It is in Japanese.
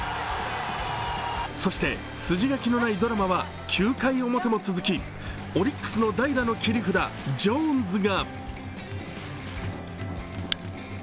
そして、筋書きのないドラマは９回ウラも続きオリックスの代打の切り札・ジョーンズが。